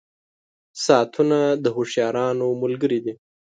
• ساعتونه د هوښیارانو ملګري دي.